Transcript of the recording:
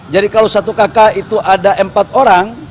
jadi kalau satu kakak itu ada empat orang